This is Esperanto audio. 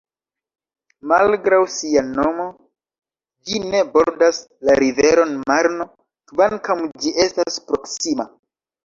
Malgraŭ sia nomo, ĝi ne bordas la riveron Marno, kvankam ĝi estas proksima.